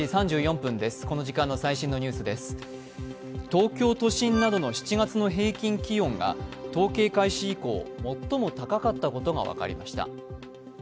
東京都心などの７月の平均気温が統計開始以降、最も高かったことが分かりました。